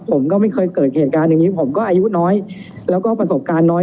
ผมก็ไม่เคยเกิดเหตุการณ์อย่างนี้ผมก็อายุน้อยแล้วก็ประสบการณ์น้อย